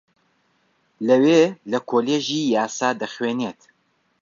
لەوێ لە کۆلێژی یاسا دەخوێنێت